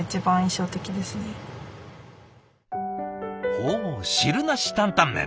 ほう汁なしタンタン麺。